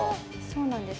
そうなんです